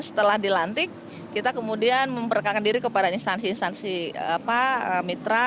setelah dilantik kita kemudian memperkenalkan diri kepada instansi instansi mitra